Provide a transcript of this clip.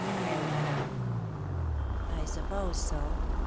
queried Madame. "I suppose so.